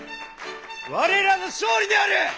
我らの勝利である！